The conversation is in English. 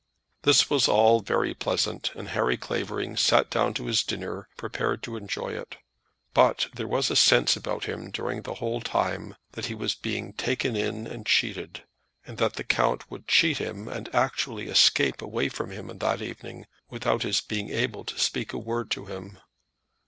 This was all very pleasant, and Harry Clavering sat down to his dinner prepared to enjoy it; but there was a sense about him during the whole time that he was being taken in and cheated, and that the count would cheat him and actually escape away from him on that evening without his being able to speak a word to him.